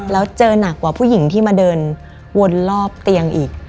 แล้วเจอหนักกว่าผู้หญิงที่มาเดินวนรอบเตียงอีก